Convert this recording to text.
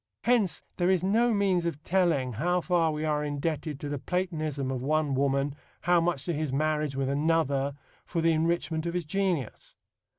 Hence there is no means of telling how far we are indebted to the Platonism of one woman, how much to his marriage with another, for the enrichment of his genius.